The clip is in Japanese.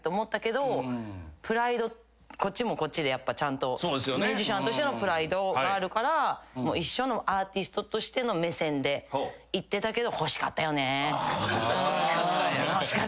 プライドこっちもこっちでちゃんとミュージシャンとしてのプライドがあるから一緒のアーティストとしての目線でいってたけど。